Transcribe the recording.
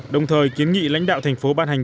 đồng thời kiến nghị lãnh đạo thành phố ban hành